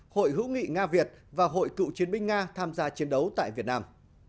hội hữu nghị nga việt và hội cựu chiến binh nga tham gia chiến đấu tại việt nam